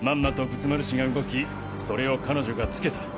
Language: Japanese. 仏丸氏が動きそれを彼女がつけた。